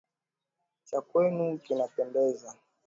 Cha kwenu kinapendeza.